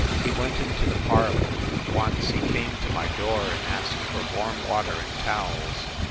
He went into the parlor. ... Once he came to my door and asked for warm water and towels.